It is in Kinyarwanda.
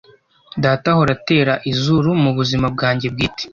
Data ahora atera izuru mubuzima bwanjye bwite.